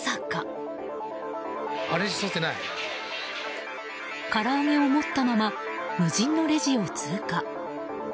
から揚げを持ったまま無人のレジを通過。